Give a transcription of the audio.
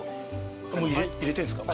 もう入れてんすか？